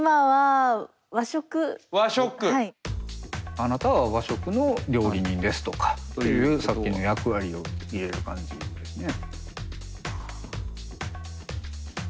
「あなたは和食の料理人です」とかというさっきの役割を入れる感じですね。